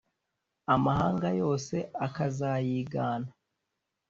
amahanga yose akazayigana,